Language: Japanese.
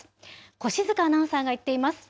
越塚アナウンサーが行っています。